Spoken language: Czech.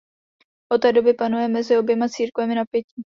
Od té doby panuje mezi oběma církvemi napětí.